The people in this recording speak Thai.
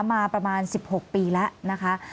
มาประมาณ๑๖ปีแล้วนะคะ